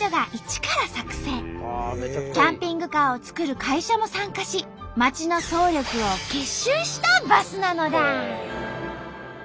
キャンピングカーを作る会社も参加し町の総力を結集したバスなのだ！